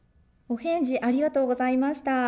お返事ありがとうございました。